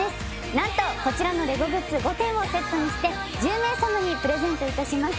何とこちらのレゴグッズ５点をセットにして１０名様にプレゼントいたします